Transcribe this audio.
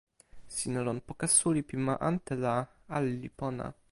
sina lon poka suli pi ma ante la ale li pona.